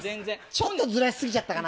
ちょっとずらしすぎちゃったかな。